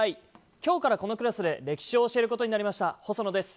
今日からこのクラスで歴史を教えることになりました細野です。